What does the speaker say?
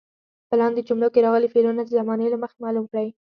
په لاندې جملو کې راغلي فعلونه د زمانې له مخې معلوم کړئ.